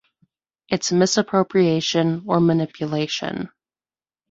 It’s misappropriation or manipulation.